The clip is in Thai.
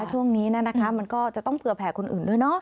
ช่วงนี้มันก็จะต้องเผื่อแผ่คนอื่นด้วยเนาะ